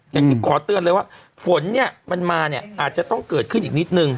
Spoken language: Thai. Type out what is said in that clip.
อย่างที่ขอเตือนเลยว่าฝนเนี่ยมันมาเนี่ยอาจจะต้องเกิดขึ้นอีกนิดนึง